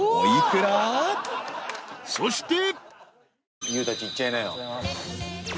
［そして！］